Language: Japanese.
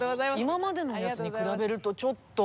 今までのやつに比べるとちょっと。